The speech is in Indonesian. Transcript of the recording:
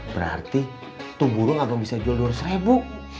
berarti tuh burung abang bisa jual dua ratus ribu